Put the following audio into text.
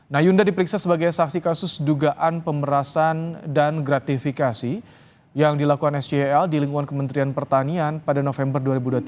nah yunda diperiksa sebagai saksi kasus dugaan pemerasan dan gratifikasi yang dilakukan scl di lingkungan kementerian pertanian pada november dua ribu dua puluh tiga